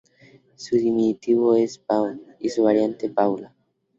Su diminutivo es Pao y su variante Paula.